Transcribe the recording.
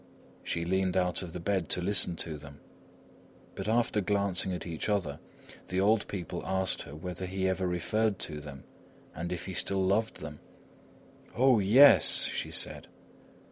She leaned out of the bed to listen to them. But after glancing at each other, the old people asked her whether he ever referred to them and if he still loved them. "Oh! yes!" she said.